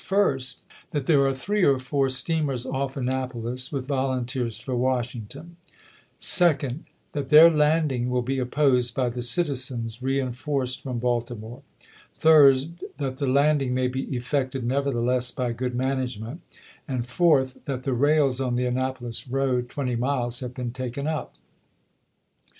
: First, That there are three or four steamers off Annapolis, with volunteers for Washington ; Second, That their landing wiU be opposed by the citizens, reenforced from Balti more ; Third, That the landing may be effected neverthe less by good management ; and Fourth, That the rails on the Annapolis road (twenty miles) have been taken up.